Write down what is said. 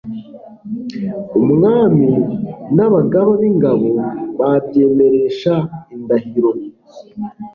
umwami n'abagaba b'ingabo babyemeresha indahiro